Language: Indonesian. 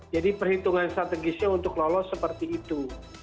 jadi perhitungan strategisnya untuk lolos seperti itu